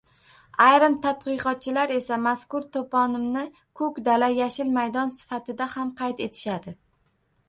Ayrim tadqiqotchilar esa mazkur toponimni Ko‘k dala – yashil maydon sifatida ham qayd etishadi.